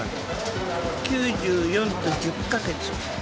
９４と１０か月。